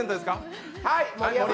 はい！